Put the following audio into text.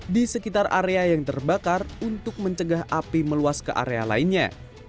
di sekitar area yang terbakar untuk mencegah api meluas ke area lainnya